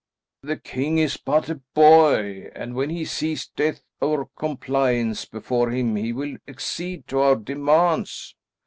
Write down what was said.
"The king is but a boy, and when he sees death or compliance before him he will accede to our demands."